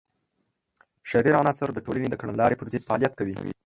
شریر عناصر د ټولنې د کړنلارې پر ضد فعالیت کوي.